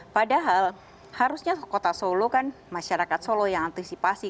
padahal harusnya kota solo kan masyarakat solo yang antisipasi